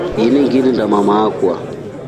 Ini ngilinda mama akwa.